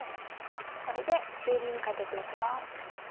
これで中火にかけていきます。